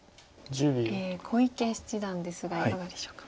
小池七段ですがいかがでしょうか？